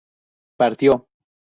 ¿partió?